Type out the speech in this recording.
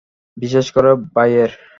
বিশেষ করে ভাইয়ের।